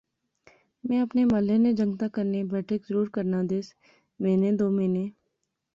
میں اپنے محلے نے جنگتیں کنے بیٹھک ضرور کرنا دیس، مہینے دو مہینے